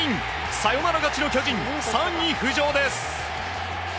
サヨナラ勝ちの巨人３位浮上です。